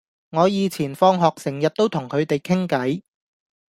我以前放學成日都同佢哋傾偈